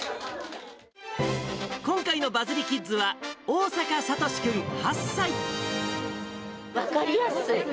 今回のバズりキッズは、分かりやすい。